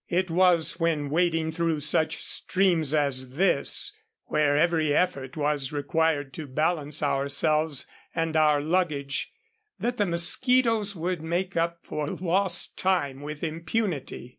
It was when wading through such streams as this, where every effort was required to balance ourselves and our luggage, that the mosquitos would make up for lost time with impunity.